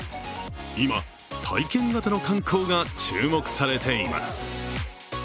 今、体験型の観光が注目されています。